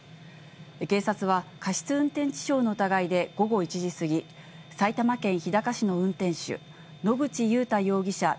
警察は、過失運転致傷の疑いで午後１時過ぎ、埼玉県日高市の運転手、野口祐太容疑者